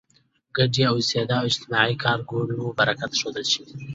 ګډې اوسېدا او اجتماعي کار کولو برکت ښودل شوی.